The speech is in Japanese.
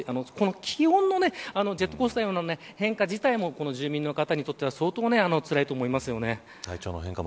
この気温のジェットコースターのような変化自体も住民の方にとっては相当つらいと思います。